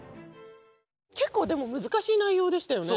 結構でも難しい内容でしたよね。